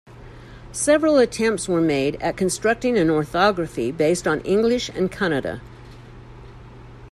Several attempts were made at constructing an orthography based on English and Kannada.